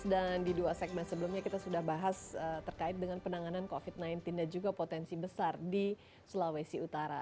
dan di dua segmen sebelumnya kita sudah bahas terkait dengan penanganan covid sembilan belas dan juga potensi besar di sulawesi utara